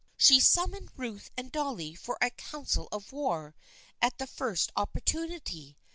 She sum moned Ruth and Dolly for a " council of war " at the first opportunity.